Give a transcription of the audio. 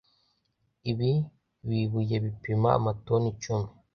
Ibi bibuye bipima amatoni icumi